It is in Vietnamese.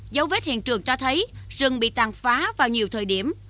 dấu vết hiện trường cho thấy rừng bị tàn phá vào nhiều thời điểm